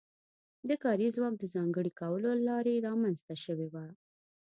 د کاري ځواک د ځانګړي کولو له لارې رامنځته شوې وه.